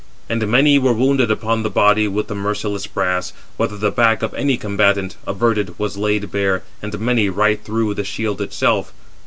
And many were wounded upon the body with the merciless brass, whether the back of any combatant, averted, was laid bare, and many right through the shield itself.